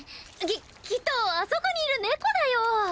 ききっとあそこにいる猫だよ！